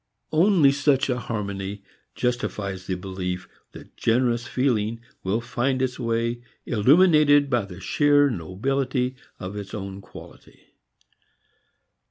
Only such a harmony justifies the belief that generous feeling will find its way illuminated by the sheer nobility of its own quality.